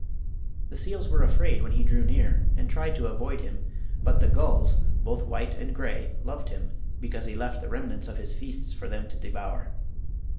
The seals were afraid when he drew near, and tried to avoid him; but the gulls, both white and gray, loved him because he left the remnants of his feasts for them to devour.